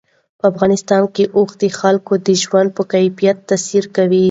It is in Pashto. په افغانستان کې اوښ د خلکو د ژوند په کیفیت تاثیر کوي.